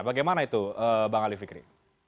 bagaimana itu mbak alif fikri